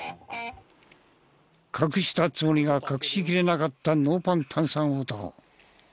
隠したつもりが隠しきれなかったノーパン炭酸男。